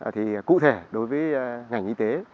thì cụ thể đối với ngành y tế